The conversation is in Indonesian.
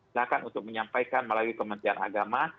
silahkan untuk menyampaikan melalui kementerian agama